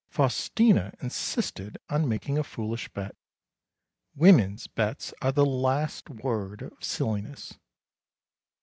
Faustina insisted on making a foolish bet. Women's bets are the last word of silliness.